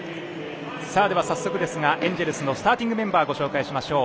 早速ですがエンジェルスのスターティングメンバーご紹介しましょう。